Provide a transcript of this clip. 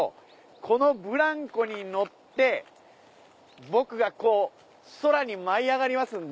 このブランコに乗って僕が空に舞い上がりますんで。